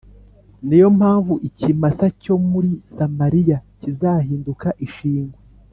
Ni yo mpamvu ikimasa cyo muri Samariya kizahinduka ishingwe.